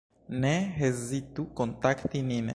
Ne hezitu kontakti nin.